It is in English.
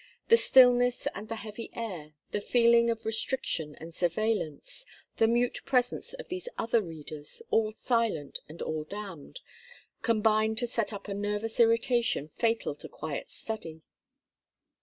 The stillness and the heavy air, the feeling of restriction and surveillance, the mute presence of these other readers, "all silent and all damned," combine to set up a nervous irritation fatal to quiet study.